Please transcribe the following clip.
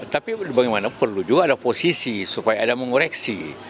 tapi bagaimana perlu juga ada posisi supaya ada mengoreksi